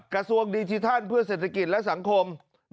กระทรวงดิจิทัลเพื่อเศรษฐกิจและสังคม